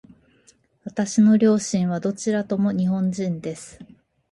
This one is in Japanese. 私の両親はどちらとも日本人です。